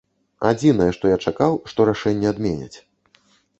Адзінае, што я чакаў, што рашэнне адменяць.